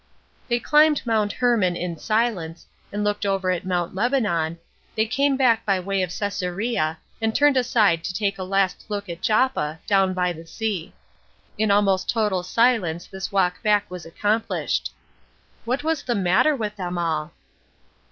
They climbed Mount Hermon in silence, and looked over at Mount Lebanon, they came back by the way of Cesarea, and turned aside to take a last look at Joppa, down by the sea. In almost total silence this walk back was accomplished. What was the matter with them all?